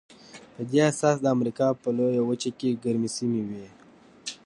په دې اساس د امریکا په لویه وچه کې ګرمې سیمې وې.